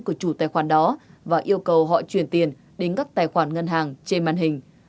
của chủ tài khoản đó và yêu cầu họ chuyển tiền đến các tài khoản ngân hàng trên màn hình